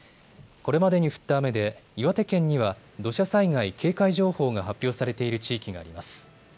これまでに降った雨で岩手県には土砂災害警戒情報が発表されている地域があります。